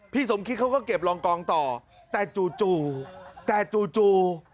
สมคิดเขาก็เก็บรองกองต่อแต่จู่แต่จู่